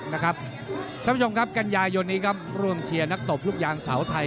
ท่านผู้ชมครับกันยายนนี้ครับร่วมเชียร์นักตบลูกยางสาวไทย